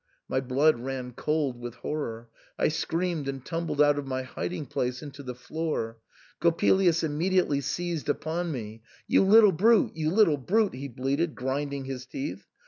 My blood ran cold with horror ; I screamed and tumbled out of my hiding place into the floor. Coppelius im mediately seized upon me. " You little brute ! You little brute!" he bleated, grinding his teeth.